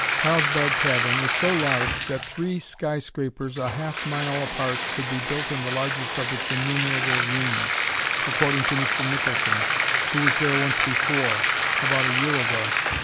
Carlsbad Cavern is so large that that three sky scrapers a half mile apart could be built in the largest of its innumerable "rooms," according to Mr. Nicholson, who was there once before, about a year ago.